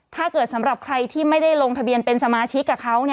สำหรับใครที่ไม่ได้ลงทะเบียนเป็นสมาชิกกับเขา